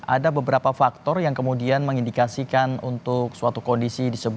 ada beberapa faktor yang kemudian mengindikasikan untuk suatu kondisi